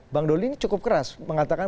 bang doli ini cukup keras mengatakan